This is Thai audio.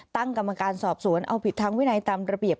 ตั้งกรรมการสอบสวนเอาผิดทางวินัยตามระเบียบ